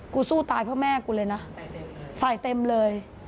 กูสู้ตายเพื่อแม่กูเลยนะใส่เต็มเลยใส่เต็มเลย